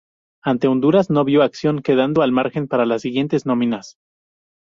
Ante Honduras no vió acción, quedando al margen para las siguientes nóminas.